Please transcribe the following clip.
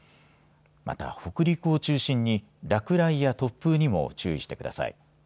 また、北陸を中心に落雷や突風にも注意してください。